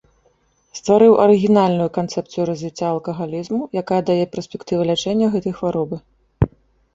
Стварыў арыгінальную канцэпцыю развіцця алкагалізму, якая дае перспектывы лячэння гэтай хваробы.